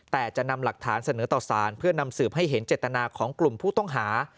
แต่จะนำหลักฐานเสนอต่อสารเพื่อนำสืบให้เห็นเจตนาของกลุ่มผู้ต้องหา